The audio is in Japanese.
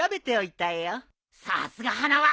さすが花輪！